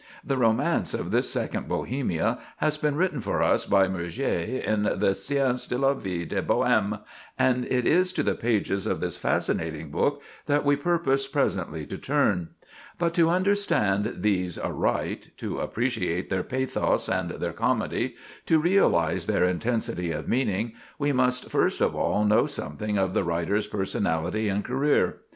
The romance of this second Bohemia has been written for us by Murger in the "Scènes de la Vie de Bohème"; and it is to the pages of this fascinating book that we purpose presently to turn. But to understand these aright, to appreciate their pathos and their comedy, to realize their intensity of meaning, we must first of all know something of the writer's personality and career.